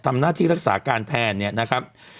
ทำหน้าที่รักษาการแทนเนี่ยนะครับ